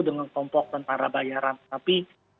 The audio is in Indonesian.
dengan kompok tentara bayaran tapi